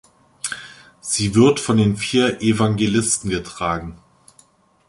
Sie wird von den vier Evangelisten getragen.